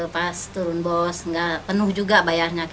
pas turun bos juga tidak penuh bayarnya